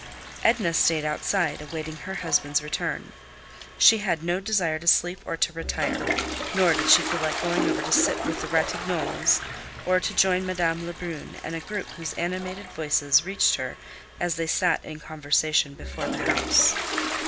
Edna stayed outside, awaiting her husband's return. She had no desire to sleep or to retire; nor did she feel like going over to sit with the Ratignolles, or to join Madame Lebrun and a group whose animated voices reached her as they sat in conversation before the house.